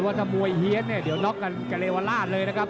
ว่าถ้ามวยเหี้ยนอกกันกัลเรวลาสเลยนะครับ